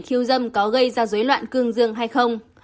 khiêu dâm có gây ra dối loạn cương dương hay không